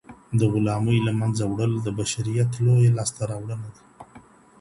د غلامۍ له منځه وړل د بشریت لویه لاسته راوړنه ده.